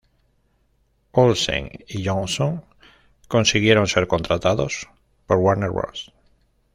Olsen y Johnson consiguieron ser contratados por Warner Bros.